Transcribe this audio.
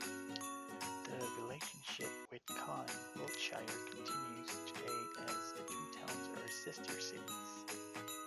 The relationship with Calne, Wiltshire, continues today as the two towns are sister cities.